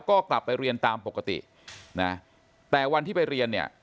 ก็กลับไปเรียนตามปกตินะแต่วันที่ไปเรียนเนี่ย